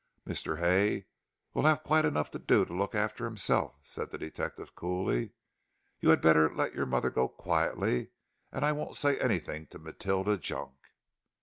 "Mr. Hay will have quite enough to do to look after himself," said the detective, coolly; "you had better let your mother go quietly, and I won't say anything to Matilda Junk."